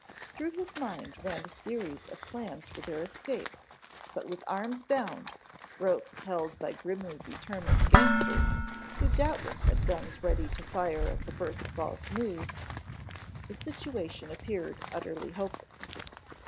Through his mind ran a series of plans for their escape but with arms bound, ropes held by grimly determined gangsters who doubtless had guns ready to fire at the first false move, the situation appeared utterly hopeless.